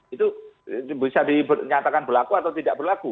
itu bisa dinyatakan berlaku atau tidak berlaku